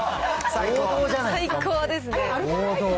最高ですね。